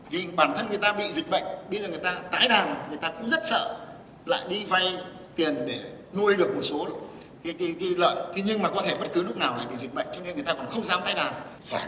vì bản thân người ta bị dịch bệnh bây giờ người ta tái đàn người ta cũng rất sợ lại đi vay tiền để nuôi được một số cái lợn